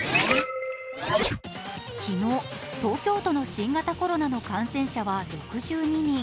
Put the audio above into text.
昨日、東京都の新型コロナの感染者は６２人。